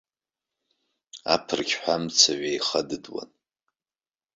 Аԥырқьҳәа амца ҩаихыдыдуан.